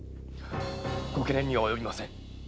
ご懸念には及びません。